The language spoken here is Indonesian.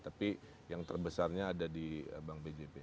tapi yang terbesarnya ada di bank bjp